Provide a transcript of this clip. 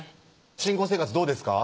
新婚生活どうですか？